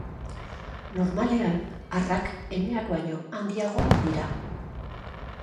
Normalean arrak emeak baino handiagoak dira.